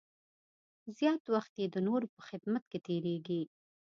زیات وخت یې د نورو په خدمت کې تېرېږي.